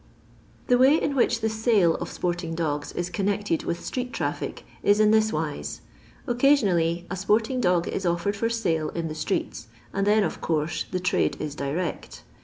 The way in which the sale of sporting dogs is connected with street traffic is in this wise : Oc casionally a sporting dog is ofifered for sale in the streets, and then, of course, the trade is direct.